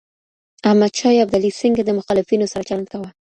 احمد شاه ابدالي څنګه د مخالفينو سره چلند کاوه؟